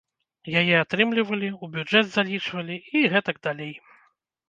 Яе атрымлівалі, у бюджэт залічвалі і гэтак далей.